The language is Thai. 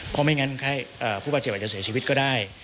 เพราะไม่งั้นผู้บาดเจ็บอาจจะเสียชีวิตก็ได้